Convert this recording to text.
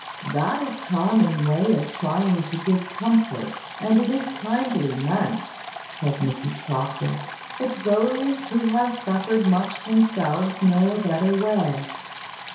"That is a common way of trying to give comfort, and it is kindly meant," said Mrs Proctor. "But those who have suffered much themselves know a better way.